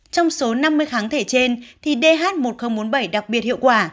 trong số năm mươi kháng thể trên thì dh một nghìn bốn mươi bảy đặc biệt hiệu quả